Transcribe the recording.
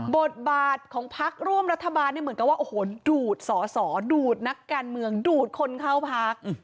บทบาทของพักร่วมรัฐบาลเนี่ยเหมือนกับว่าโอ้โหดูดสอสอดูดนักการเมืองดูดคนเข้าพัก